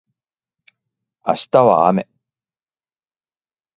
明日は雨